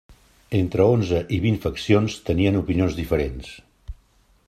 Entre onze i vint faccions tenien opinions diferents.